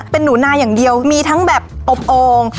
เป็นหนูนาอย่างเดียวมีทั้งแบบอบโอ่ง